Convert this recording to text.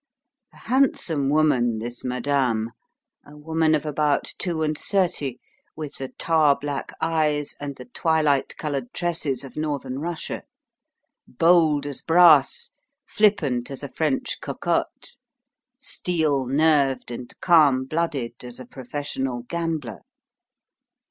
A handsome woman, this madame, a woman of about two and thirty, with the tar black eyes and the twilight coloured tresses of Northern Russia; bold as brass, flippant as a French cocotte, steel nerved and calm blooded as a professional gambler.